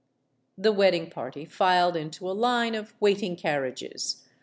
The wedding party filed into a line of waiting car riages.